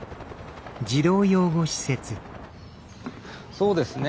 そうですね。